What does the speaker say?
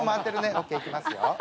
ＯＫいきますよ。